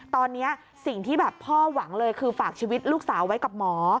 ตอนนี้สิ่งที่แบบพ่อหวังเลยคือฝากชีวิตลูกสาวไว้กับหมอ